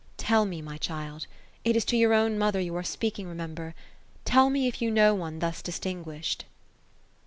Tell me, my child, — it is to your own mother you are speaking, remember, — ^teil me if you know one thus distinguished."